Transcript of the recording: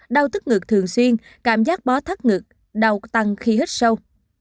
bảy đau thức ngực thường xuyên cảm giác bó thắt ngực đau tăng khi hít sâu